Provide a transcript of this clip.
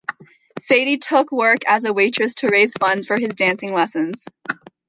Sadie took work as a waitress to raise funds for his dancing lessons.